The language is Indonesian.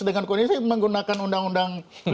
dengan kondisi menggunakan undang undang